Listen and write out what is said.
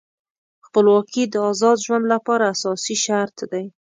خپلواکي د آزاد ژوند لپاره اساسي شرط دی.